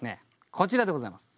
こちらでございます。